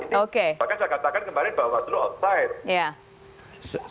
bahkan saya katakan kemarin bawaslu outside